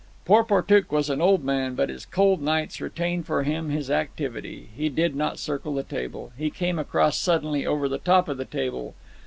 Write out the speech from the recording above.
Porportuk was an old man, but his cold nights retained for him his activity. He did not circle the table. He came across suddenly, over the top of the table.